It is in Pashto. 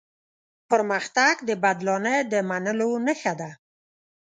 پرمختګ د بدلانه د منلو نښه ده.